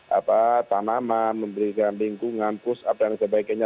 membuat tanaman memberikan lingkungan push up dan lain sebagainya